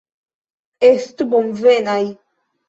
Estu bonvenaj!